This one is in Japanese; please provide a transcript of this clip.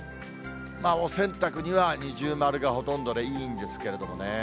お洗濯には二重丸がほとんどで、いいんですけれどもね。